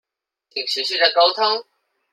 請持續的溝通